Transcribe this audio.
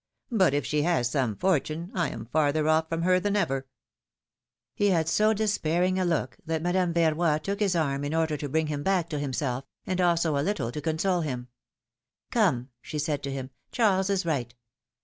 But if she has some fortune, I am farther off from her than ever !" He had so despairing a look, that Madame Verroy took his arm, in order to bring him back to himself, and also a little to console him. ^^Come!" she said to him, Charles is right.